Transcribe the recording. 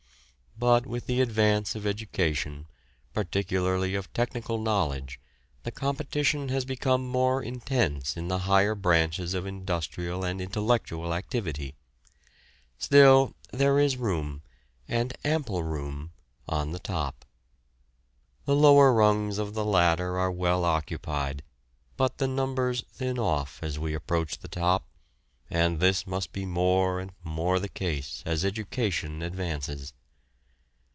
But with the advance of education, particularly of technical knowledge, the competition has become more intense in the higher branches of industrial and intellectual activity; still, there is room, and ample room, on the top. The lower rungs of the ladder are well occupied, but the numbers thin off as we approach the top, and this must be more and more the case as education advances.